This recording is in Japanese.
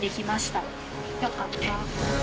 よかった。